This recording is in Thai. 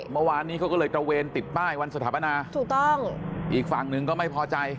เมื่อวานวันนี้เขาก็จาเวรติดป้ายวันสถาบันดาเพราะที่อีกฝั่งนึงก็ไม่พอใจ